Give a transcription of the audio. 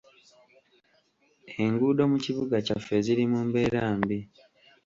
Enguudo mu kibuga kyaffe ziri mu mbeera mbi.